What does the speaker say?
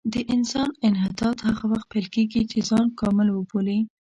د انسان انحطاط هغه وخت پیل کېږي چې ځان کامل وبولي.